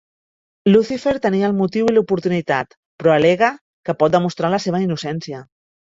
Lucifer tenia el motiu i l'oportunitat, però al·lega que pot demostrar la seva innocència.